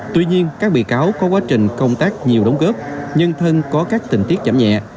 tuy nhiên các bị cáo có quá trình công tác nhiều đóng góp nhân thân có các tình tiết giảm nhẹ